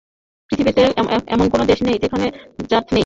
পৃথিবীতে এমন কোন দেশ নেই, যেখানে জাত নেই।